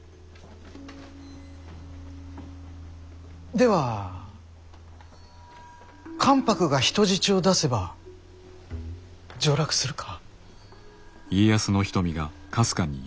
では関白が人質を出せば上洛するか？